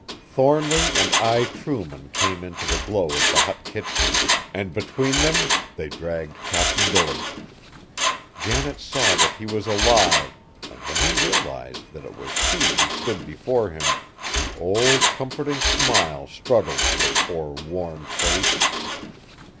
Thornly and Ai Trueman came into the glow of the hot kitchen, and between them they dragged Cap'n Billy! Janet saw that he was alive, and when he realized that it was she who stood before him, the old, comforting smile struggled to the poor, worn face.